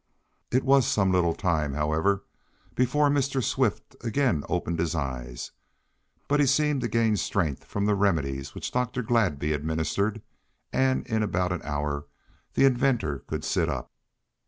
It was some little time, however, before Mr. Swift again opened his eyes, but he seemed to gain strength from the remedies which Dr. Gladby administered, and in about an hour the inventor could sit up.